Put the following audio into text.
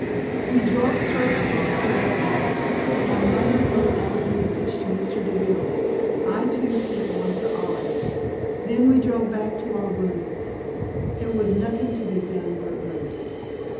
We drove straight to the telegraph office. My mother wrote out a message to Mr. Deville. I, too, sent one to Olive. Then we drove back to our rooms. There was nothing to be done but wait.